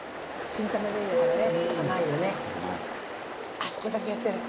あそこだけやってない。